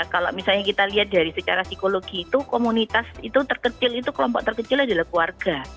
kalau misalnya kita lihat dari secara psikologi itu komunitas itu terkecil itu kelompok terkecil adalah keluarga